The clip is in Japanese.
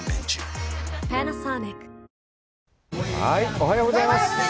おはようございます。